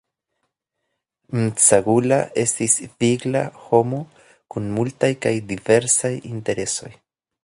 Msagula estis vigla homo kun multaj kaj diversaj interesoj.